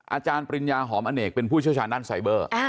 อาจารย์ปริญญาหอมอเนกเป็นผู้เชี่ยวชาญด้านไซเบอร์